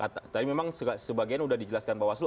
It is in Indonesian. tadi memang sebagian sudah dijelaskan bawaslu